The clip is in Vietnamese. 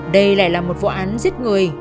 đây lại là một vụ án giết người